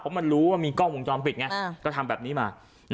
เพราะมันรู้ว่ามีกล้องวงจรปิดไงก็ทำแบบนี้มา